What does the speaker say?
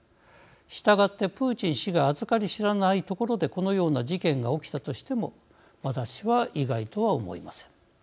したがって、プーチン氏が預かり知らないところでこのような事件が起きたとしても私は、意外とは思いません。